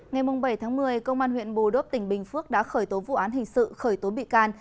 ngày bảy tháng một mươi công an huyện bù đốp tỉnh bình phước đã khởi tố vụ án hình sự khởi tố bị can